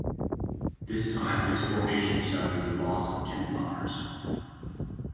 This time his formation suffered the loss of two bombers.